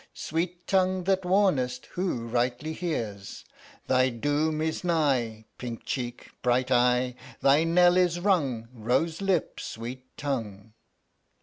Sweet tongue that warnest Who rightly hears. Thy doom is nigh, Pink cheek, bright eye ! Thy knell is rung, Rose lip, sweet tongue.